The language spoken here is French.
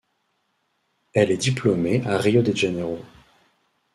Elle est diplômée à Rio de Janeiro.